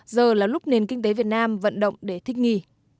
giờ là lúc nền kinh tế việt nam vận động để thích nghi